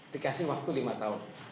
dikasih waktu lima tahun